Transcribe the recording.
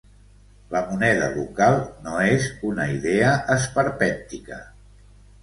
La moneda local no és una idea esperpèntica.